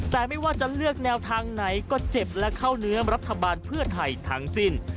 แต่ไม่ว่าจะเลือกแนวทางไหนก็เจ็บและเข้าเนื้อรัฐบาลเพื่อไทยทั้งสิ้น